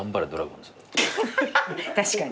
確かに。